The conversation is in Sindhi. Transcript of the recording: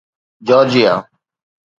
جارجيا